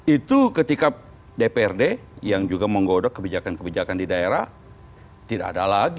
itu ketika dprd yang juga menggodok kebijakan kebijakan di daerah tidak ada lagi